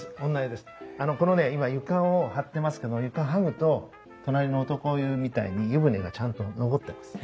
あのこのね今床を張ってますけど床剥ぐと隣の男湯みたいに湯船がちゃんと残ってます。